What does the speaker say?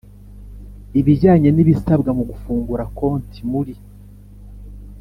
Ibijyanye n ibisabwa mu gufungura konti muri